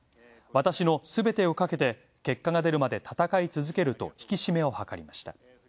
私のすべてを懸けて結果が出るまで戦い続ける」と引き締めを図りました。